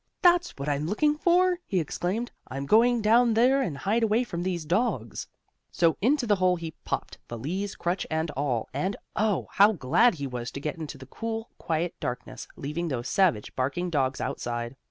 "That's what I'm looking for!" he exclaimed. "I'm going down there, and hide away from these dogs!" So into the hole he popped, valise, crutch and all, and oh! how glad he was to get into the cool, quiet darkness, leaving those savage, barking dogs outside.